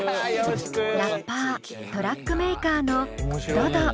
ラッパートラックメーカーのｄｏｄｏ。